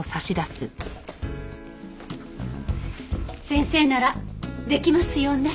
先生ならできますよね？